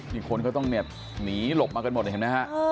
อีกคนก็ต้องเนี่ยหนีหลบมากันหมดเห็นไหมฮะ